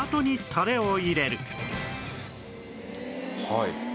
はい。